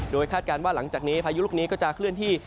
คาดการณ์ว่าหลังจากนี้พายุลูกนี้ก็จะเคลื่อนที่